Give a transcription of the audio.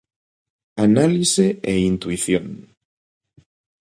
Análise e intuición.